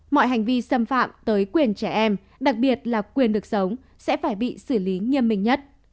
mọi hành vi xâm phạm tới quyền trẻ em đặc biệt là quyền được sống sẽ phải bị xử lý nghiêm minh nhất